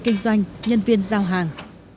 kinh doanh nhân viên giao hàng